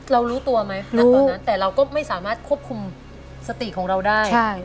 รู้ตัวไหมณตอนนั้นแต่เราก็ไม่สามารถควบคุมสติของเราได้